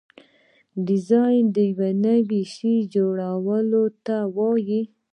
ډیزاین د یو نوي شي جوړولو ته وایي.